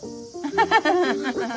ハハハハハ。